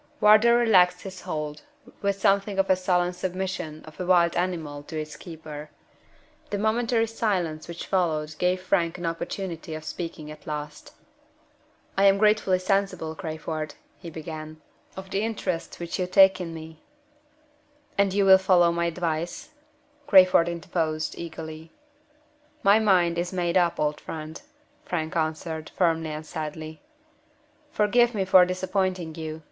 Wardour relaxed his hold, with something of the sullen submission of a wild animal to its keeper. The momentary silence which followed gave Frank an opportunity of speaking at last. "I am gratefully sensible, Crayford," he began, "of the interest which you take in me " "And you will follow my advice?" Crayford interposed, eagerly. "My mind is made up, old friend," Frank answered, firmly and sadly. "Forgive me for disappointing you.